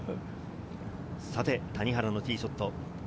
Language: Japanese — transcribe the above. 谷原のティーショット。